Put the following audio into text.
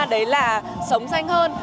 đấy là sống xanh hơn